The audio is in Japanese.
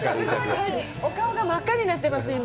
お顔が真っ赤になってます、今。